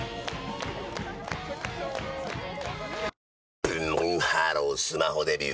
ブンブンハロースマホデビュー！